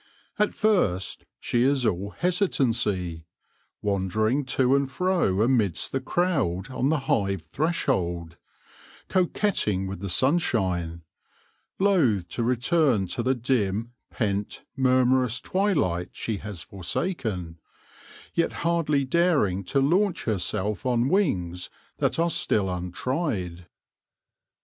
At first she is all hesitancy ; wandering to and fro amidst the crowd on the hive threshold ; coquetting with the sunshine ; loath to return to the dim, pent, murmurous twilight she has forsaken, yet hardly daring to launch herself on wings that are still untried.